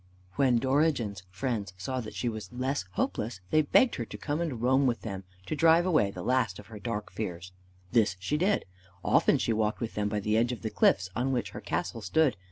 When Dorigen's friends saw that she was less hopeless, they begged her to come and roam with them to drive away the last of her dark fears. This she did. Often she walked with them by the edge of the cliffs on which her castle stood.